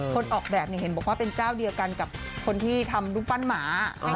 ออกแบบเห็นบอกว่าเป็นเจ้าเดียวกันกับคนที่ทำรูปปั้นหมา